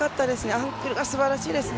アンクルが素晴らしいですね。